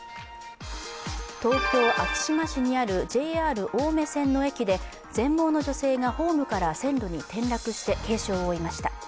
東京・昭島市にあるＪＲ青梅線の駅で全盲の女性がホームから線路に転落して軽傷を負いました。